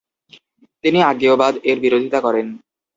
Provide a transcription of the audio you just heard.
তিনি অজ্ঞেয়বাদ এর বিরোধিতা করেন।